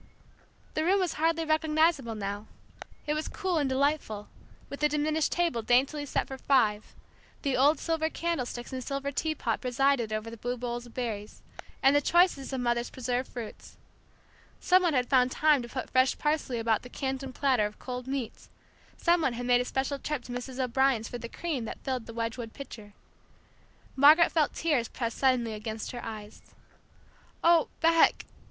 The room was hardly recognizable now. It was cool and delightful, with the diminished table daintily set for five, The old silver candlesticks and silver teapot presided over blue bowls of berries, and the choicest of Mother's preserved fruits. Some one had found time to put fresh parsley about the Canton platter of cold meats, some one had made a special trip to Mrs. O'Brien's for the cream that filled the Wedgwood pitcher. Margaret felt tears press suddenly against her eyes. "Oh, Beck!"